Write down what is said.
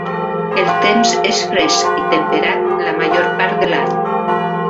El temps és fresc i temperat la major part de l'any.